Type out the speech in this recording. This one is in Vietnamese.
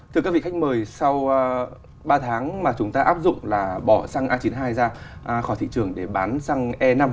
thưa các vị khách mời sau ba tháng mà chúng ta áp dụng là bỏ xăng a chín mươi hai ra khỏi thị trường để bán xăng e năm